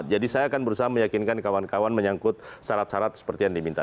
jadi saya akan berusaha meyakinkan kawan kawan menyangkut syarat syarat seperti yang diminta